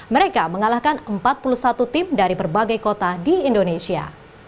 mereka mengalahkan empat puluh satu tim dari berbagai kota di indonesia